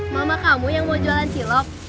mama kamu yang mau jualan cilok